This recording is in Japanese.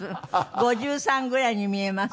５３ぐらいに見えます。